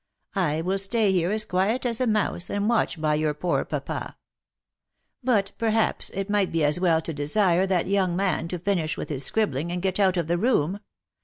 I will stay here as quiet as a mouse, and watch by your poor papa. But per haps it might be as well to desire that young man to finish with his scrib 352 THE LIFE AND ADVENTURES bling, and get out of the room.